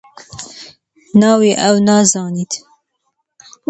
ناوی ئەو نازانیت؟